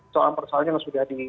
soal persoalan yang sudah di